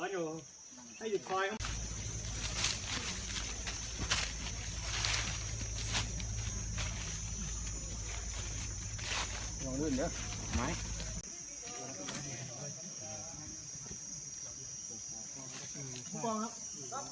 และที่สุดท้ายและที่สุดท้าย